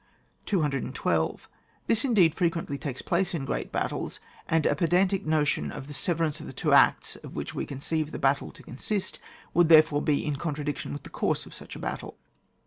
212. This, indeed, frequently takes place in great battles, and a pedantic notion of the severance of the two acta of which we conceive the battle to consist would therefore be in contradiction with the course of such a battle.